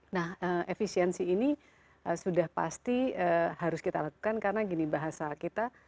nah efisiensi ini sudah pasti harus kita lakukan karena gini bahasa kita